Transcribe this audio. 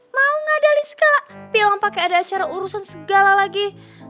mau ngadalin segala film pakai ada acara urusan segala lagi